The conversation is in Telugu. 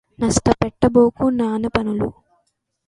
నష్టపెట్టబోకు నాన్నపనులు